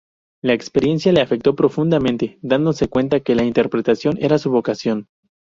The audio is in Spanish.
La experiencia le afectó profundamente, dándose cuenta que la interpretación era su vocación.